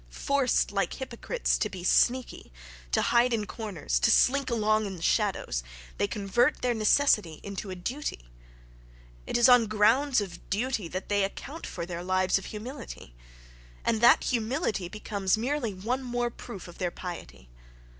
Forced, like hypocrites, to be sneaky, to hide in corners, to slink along in the shadows, they convert their necessity into a duty: it is on grounds of duty that they account for their lives of humility, and that humility becomes merely one more proof of their piety....